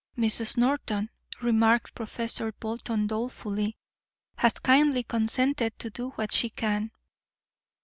"Mrs. Norton," remarked Professor Bolton dolefully, "has kindly consented to do what she can."